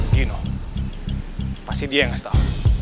gino pasti dia yang ngga setau